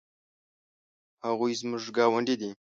هغوی زموږ ګاونډي دي